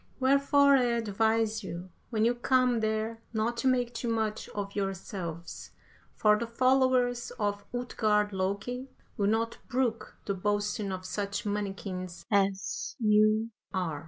Wherefore I advise you, when you come there, not to make too much of yourselves, for the followers of Utgard Loki will not brook the boasting of such mannikins as ye are.